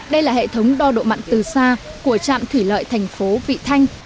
đây là hệ thống đo độ mặn từ xa của trạm thủy lợi thành phố vị thanh